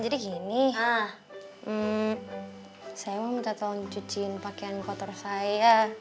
jadi gini saya mau minta tolong cuciin pakaian kotor saya